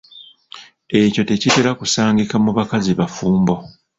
Ekyo tekitera kusangika mu bakazi bafumbo.